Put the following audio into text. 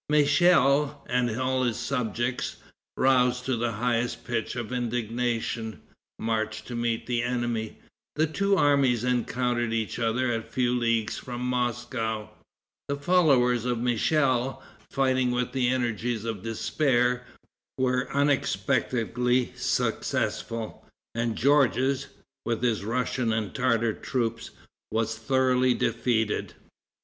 Michel and all his subjects, roused to the highest pitch of indignation, marched to meet the enemy. The two armies encountered each other a few leagues from Moscow. The followers of Michel, fighting with the energies of despair, were unexpectedly successful, and Georges, with his Russian and Tartar troops, was thoroughly defeated.